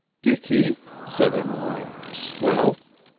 "Dicky!" said Emmeline. "Well?"